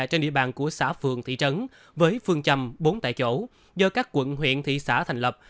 trên địa bàn của xã phường thị trấn với phương châm bốn tại chỗ do các quận huyện thị xã thành lập